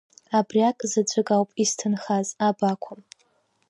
Абриак заҵәык ауп исҭынхаз, абаақәа.